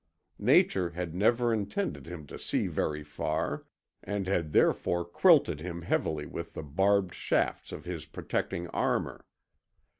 Nature had never intended him to see very far, and had therefore quilted him heavily with the barbed shafts of his protecting armour.